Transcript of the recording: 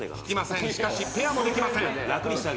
しかしペアもできません。